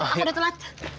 yuk aku dateng nanti